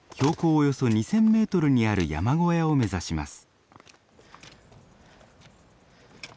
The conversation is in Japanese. およそ２，０００メートルにある山小屋を目指します。